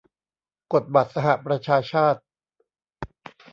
กฎบัตรสหประชาชาติ